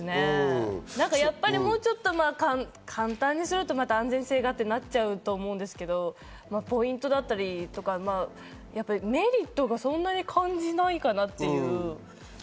やっぱりもうちょっと簡単にするとまた安全性がってなっちゃうと思うんですけど、ポイントだったりとか、メリットがそんなに感じないかなっていう。